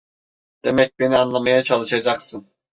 Demek beni anlamaya çalışacaksın?